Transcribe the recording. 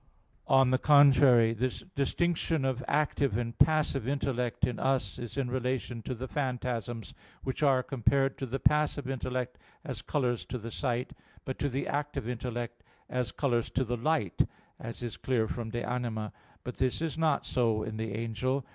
On the contrary, The distinction of active and passive intellect in us is in relation to the phantasms, which are compared to the passive intellect as colors to the sight; but to the active intellect as colors to the light, as is clear from De Anima iii, text. 18. But this is not so in the angel.